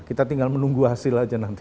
kita tinggal menunggu hasil aja nanti